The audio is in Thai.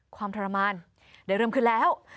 ทรมานได้เริ่มขึ้นแล้ว